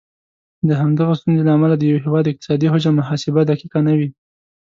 د همدغه ستونزې له امله د یو هیواد اقتصادي حجم محاسبه دقیقه نه وي.